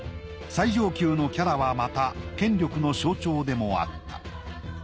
最上級の伽羅はまた権力の象徴でもあった。